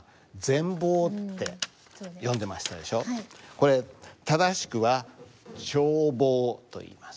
これ正しくは「ちょうぼう」といいます。